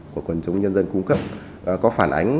quần chúng nhân dân cung cấp có phản ánh